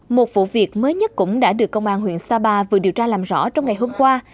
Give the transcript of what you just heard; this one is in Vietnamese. một vụ việc mới nhất cũng đã được công an huyện sapa vừa điều tra làm rõ trong ngày hôm qua